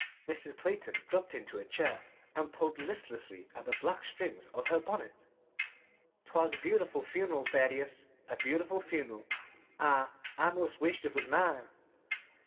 Mrs. Clayton dropped into a chair and pulled listlessly at the black strings of her bonnet. "'T was a beautiful fun'ral, Thaddeus a beautiful fun'ral. I I 'most wished it was mine."